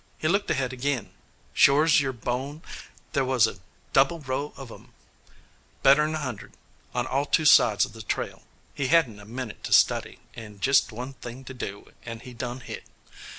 He looked ahead agin. Shore's you're bo'hn there was a double row on 'em better'n a hunderd on all two sides of the trail. He hadn't a minit to study, and jist one thing to do, and he done hit.